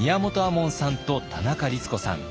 門さんと田中律子さん。